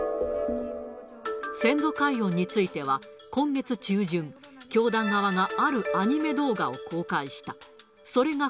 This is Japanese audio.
先祖解怨については、今月中旬、教団側があるアニメ動画を公開した。